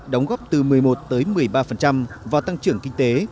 đóng góp từ một mươi một một mươi ba vào tăng trưởng kinh tế